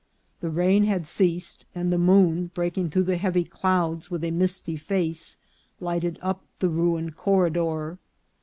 The rain had ceased, and the moon, breaking through the heavy clouds, with a misty face lighted up the ruined corridor.